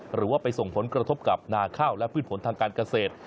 หรือว่าไปส่งผลกระทบกับนาข้าวและพืชผลทางการเกษตร